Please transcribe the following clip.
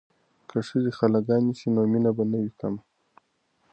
که ښځې خاله ګانې شي نو مینه به نه وي کمه.